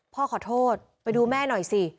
พ่อขอโทษไปดูแม่หน่อยสิ